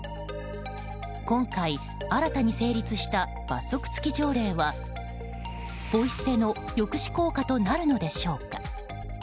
今回、新たに成立した罰則付き条例はポイ捨ての抑止効果となるのでしょうか。